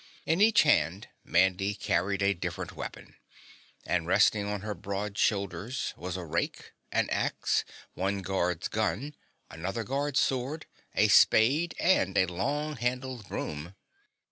In each hand Handy carried a different weapon, and resting on her broad shoulders was a rake, an axe, one guard's gun, another guard's sword, a spade and a long handled broom.